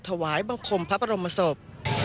ถวายบังคมพระบรมศพ